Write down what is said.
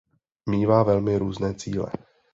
Mívá velmi různé cíle.